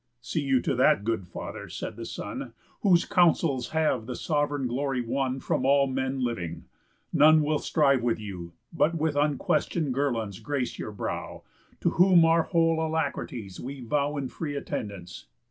"See you to that, good father," said the son, "Whose counsels have the sov'reign glory won From all men living. None will strive with you, But with unquestion'd girlands grace your brow, To whom our whole alacrities we vow In free attendance.